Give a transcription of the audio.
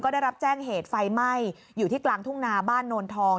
ได้รับแจ้งเหตุไฟไหม้อยู่ที่กลางทุ่งนาบ้านโนนทอง